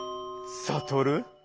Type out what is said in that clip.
サトル。